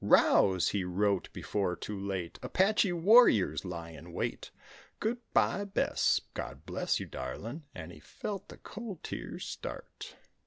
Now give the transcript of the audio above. "Rouse," he wrote before too late; "Apache warriors lie in wait. Good bye, Bess, God bless you darling," and he felt the cold tears start.